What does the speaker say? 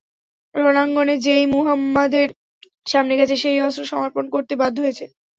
রণাঙ্গনে যেই মুহাম্মাদের সামনে গেছে সেই অস্ত্র সমর্পণ করতে বাধ্য হয়েছে।